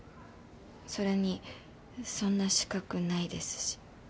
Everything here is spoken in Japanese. それにそんな資格ないですし。